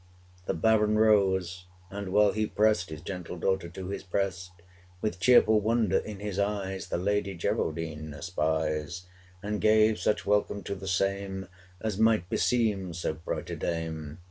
The Baron rose, and while he prest His gentle daughter to his breast, With cheerful wonder in his eyes The lady Geraldine espies, 400 And gave such welcome to the same, As might beseem so bright a dame!